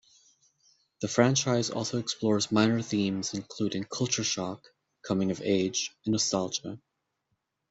The franchise also explores minor themes including culture shock, coming of age, and nostalgia.